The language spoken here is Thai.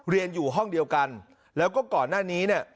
เรียนอยู่ห้องเดียวกันแล้วก็ก่อนหน้านี้เนี่ย